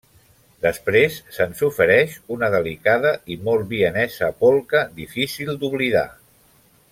Després se'ns ofereix una delicada i molt vienesa polca difícil d'oblidar.